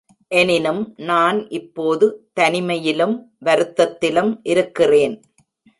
எனினும் நான் இப்போது தனிமையிலும் வருத்தத்திலும் இருக்கிறேன்.